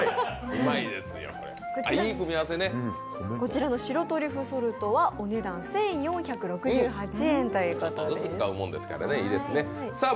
こちらの白トリュフソルトはお値段１４６０円ということです。